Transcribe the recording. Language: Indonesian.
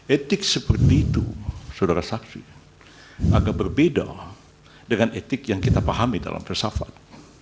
etik seperti itu saudara saksi agak berbeda dengan etik yang kita pahami dalam filsafat